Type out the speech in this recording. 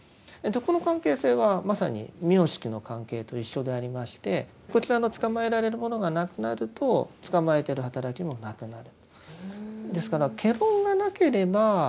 この関係性はまさに名色の関係と一緒でありましてこちらのつかまえられるものがなくなるとつかまえてる働きもなくなる。